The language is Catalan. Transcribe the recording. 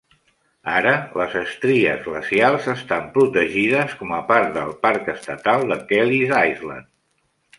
Ara les estries glacials estan protegides com a part del parc estatal de Kelleys Island.